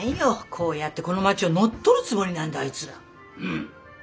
こうやってこの町を乗っ取るつもりなんだあいつら。